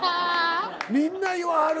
みんな言わはる。